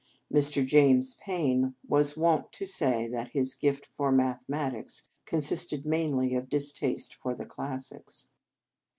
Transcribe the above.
Mr. James Payn was wont to say that his gift for mathematics consisted mainly of distaste for the classics.